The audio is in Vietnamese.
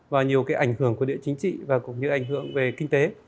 và nhiều cái ảnh hưởng của địa chính trị và cũng như ảnh hưởng về kinh tế